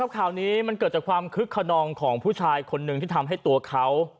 ข่าวนี้มันเกิดจากความคึกขนองของผู้ชายคนหนึ่งที่ทำให้ตัวเขา